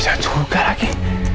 sampai jumpa lagi